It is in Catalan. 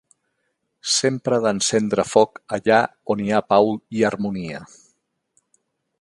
Sempre ha d'encendre foc allà on hi ha pau i harmonia!